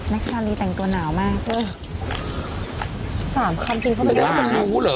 แม็กซ์ชาวนี้แต่งตัวหนาวมากเว้ยสามคำกินเขาไม่รู้เหรอ